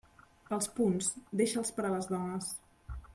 Els punts, deixa'ls per a les dones.